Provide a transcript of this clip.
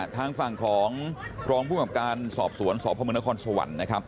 ทางฝั่งของพร้อมภูมิกับการสอบสวนสอบภาพมือนครสวรรค์